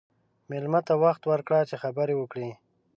مېلمه ته وخت ورکړه چې خبرې وکړي.